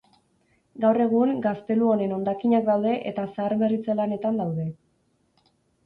Gaur egun gaztelu honen hondakinak daude eta zaharberritze lanetan daude.